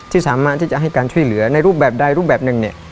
สามารถที่จะให้การช่วยเหลือในรูปแบบใดรูปแบบหนึ่งเนี่ย